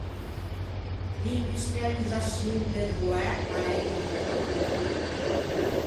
L'industrializzaçion de Voæ a l'é importante.